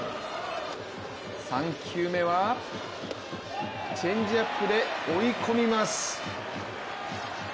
３球目はチェンジアップで追い込みます。